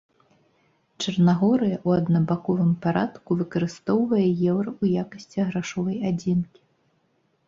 Чарнагорыя ў аднабаковым парадку выкарыстоўвае еўра ў якасці грашовай адзінкі.